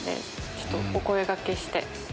ちょっとお声掛けして。